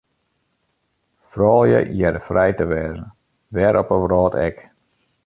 Froulju hearre frij te wêze, wêr op 'e wrâld ek.